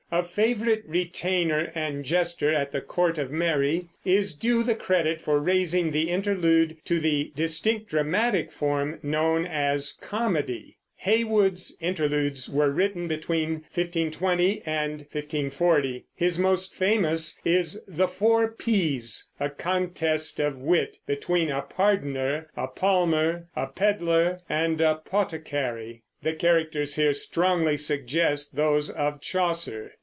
a favorite retainer and jester at the court of Mary, is due the credit for raising the Interlude to the distinct dramatic form known as comedy. Heywood's Interludes were written between 1520 and 1540. His most famous is "The Four P's," a contest of wit between a "Pardoner, a Palmer, a Pedlar and a Poticary." The characters here strongly suggest those of Chaucer.